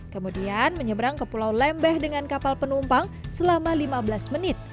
kemudian menyeberang ke pulau lembeh dengan kapal penumpang selama lima belas menit